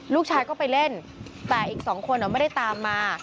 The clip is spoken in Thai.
ลูกชายก็ไปเล่นแต่อีก๒คนไม่ได้ตามมา